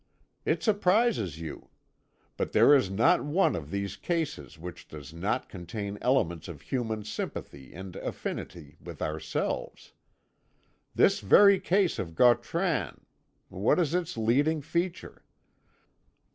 It surprises you. But there is not one of these cases which does not contain elements of human sympathy and affinity with ourselves. This very case of Gautran what is its leading feature?